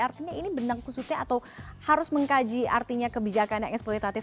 artinya ini benang khususnya atau harus mengkaji artinya kebijakan yang eksploitatif